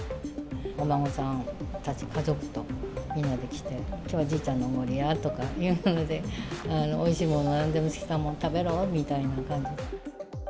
お孫さんたち、家族とみんなで来て、きょうはおじいちゃんのおごりやとか、おいしいもの、なんでも好きなもの食べろみたいな感じで。